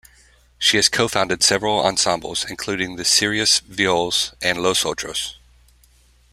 She has co-founded several ensembles, including the Sirius Viols and Los Otros.